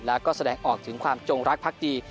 แล้วก็แสดงออกถึงความจงรักพักดี